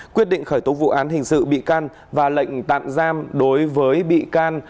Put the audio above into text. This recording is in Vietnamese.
quyết định khởi tố vụ án hình sự bị can và lệnh tạm giam đối với bị can